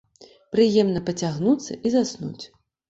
Прыемна пацягнуцца і заснуць.